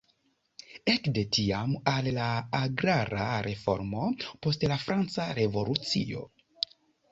Ekde tiam al la agrara reformo post la Franca Revolucio.